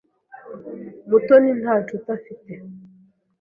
Mutoni nta nshuti afite.